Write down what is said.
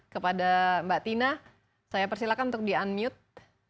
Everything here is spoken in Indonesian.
kepada mbak tina saya persilakan untuk di unmute